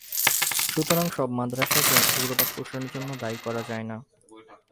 সুতরাং, সব মাদ্রাসাকে উগ্রবাদ প্রসারের জন্য দায়ী করা যায় না।